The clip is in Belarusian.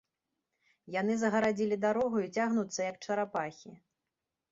Яны загарадзілі дарогу і цягнуцца, як чарапахі.